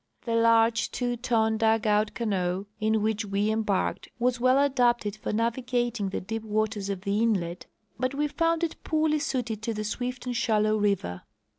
The large two ton dugout canoe in which we embarked was well adapted for navigating the deep waters of the inlet, but we found it poorly suited to the swift and shallow river.